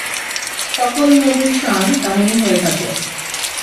সকল নবীর শান এমনই হয়ে থাকে।